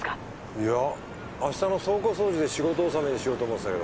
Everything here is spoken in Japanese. いや明日の倉庫掃除で仕事納めにしようと思ってたけど。